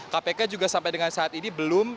kpk juga sampai dengan saat ini belum